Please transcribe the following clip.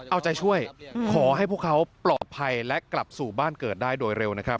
เอาใจช่วยขอให้พวกเขาปลอดภัยและกลับสู่บ้านเกิดได้โดยเร็วนะครับ